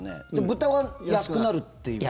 豚が安くなるっていう。